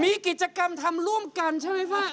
มีกิจกรรมทำร่วมกันใช่ไหมพี่